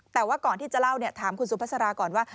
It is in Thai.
แต่ว่าก่อนที่จะเล่าเนี่ยถามคุณสุภาษาราก่อนว่า